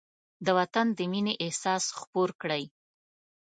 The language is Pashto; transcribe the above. د وطن د مینې احساس خپور کړئ.